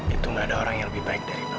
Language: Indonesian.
itu nggak ada orang yang lebih baik dari non